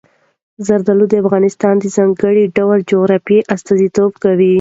زردالو د افغانستان د ځانګړي ډول جغرافیه استازیتوب کوي.